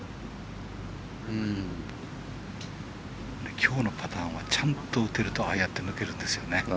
きょうのパターはちゃんと打てるとああやって抜けるんですよね。